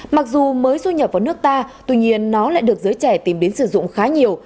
mặc dù mới du nhập vào nước ta tuy nhiên nó lại được giới trẻ tìm đến sử dụng khá nhiều